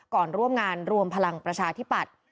ก่อนร่วมงานรวมพลังประชาธิบัติ